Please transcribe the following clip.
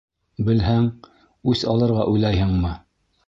Белһәң, үс алырға уйлайһыңмы?